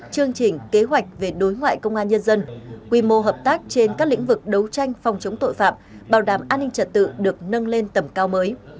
chương trình kế hoạch về đối ngoại công an nhân dân quy mô hợp tác trên các lĩnh vực đấu tranh phòng chống tội phạm bảo đảm an ninh trật tự được nâng lên tầm cao mới